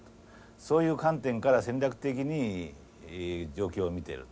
そういう観点から戦略的に状況を見てると。